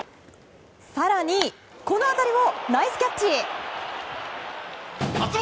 更にこの当たりもナイスキャッチ！